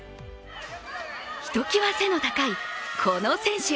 ひときわ背の高いこの選手。